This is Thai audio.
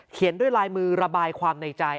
ด้วยลายมือระบายความในใจ